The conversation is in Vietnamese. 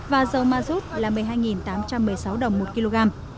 và dầu ma rút là một mươi hai đồng một lít